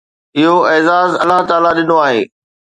اهو اعزاز الله تعاليٰ ڏنو آهي.